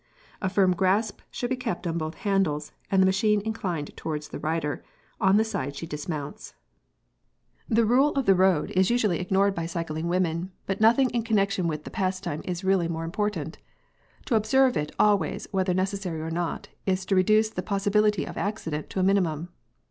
A firm grasp should be kept on both handles, and the machine inclined towards the rider, on the side she dismounts. The rule of the road is usually ignored by cycling women, but nothing in connection with the pastime is really more important. To observe it always whether necessary or not, is to reduce the possibility of accident to a minimum.